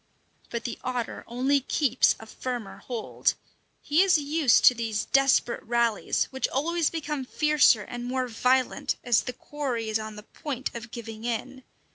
But the otter only keeps a firmer hold. He is used to these desperate rallies, which always become fiercer and more violent as the quarry is on the point of giving in.